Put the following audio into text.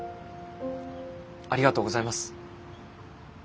ありがとうございます。